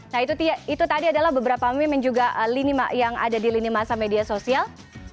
nah itu tadi adalah beberapa mungkin juga yang ada di lini masa media sosial